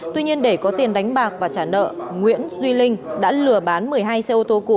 tuy nhiên để có tiền đánh bạc và trả nợ nguyễn duy linh đã lừa bán một mươi hai xe ô tô cũ